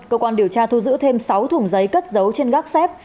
cơ quan điều tra thu giữ thêm sáu thùng giấy cất dấu trên gác xếp